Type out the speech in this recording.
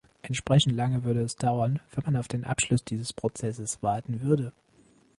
Entsprechend lange würde es dauern, wenn man auf den Abschluss dieses Prozesses warten würde.